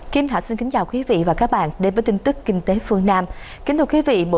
kim hạ xin kính chào quý vị và các bạn đến với tin tức kinh tế phương nam kính thưa quý vị bộ